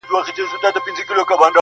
د قاضي عاید لا نور پسي زیاتېږي,